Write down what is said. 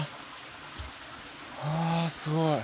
ああすごい。